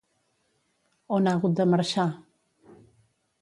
On ha hagut de marxar?